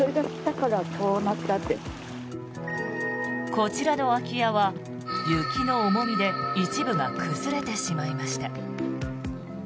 こちらの空き家は雪の重みで一部が崩れてしまいました。